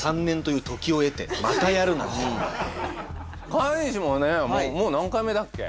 川西もねもう何回目だっけ？